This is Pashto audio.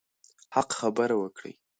حق خبره وکړئ.